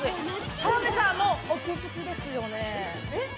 澤部さん、お気づきですよね？